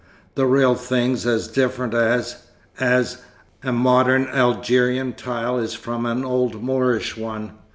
The real thing's as different as as a modern Algerian tile is from an old Moorish one.